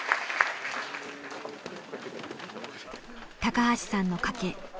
高橋さんの賭け。